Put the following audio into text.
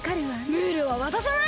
ムールはわたさない！